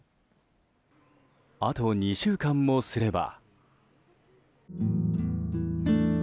あと２週間もすれば。